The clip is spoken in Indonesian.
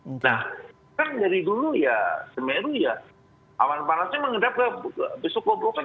nah kan dari dulu ya semeru ya awan panasnya mengendap ke besok gobrokan